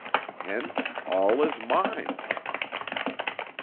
Hence all is mind!"